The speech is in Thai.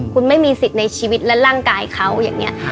คุณไม่มีสิทธิ์ในชีวิตและร่างกายเขาอย่างนี้